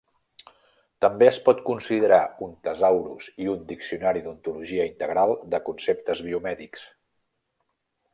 També es pot considerar un tesaurus i un diccionari d'ontologia integral de conceptes biomèdics.